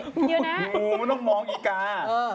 งูต้องมองอิกา